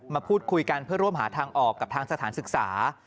มาพูดคุยกันเพื่อร่วมหาทางออกกับทางสถานศึกษา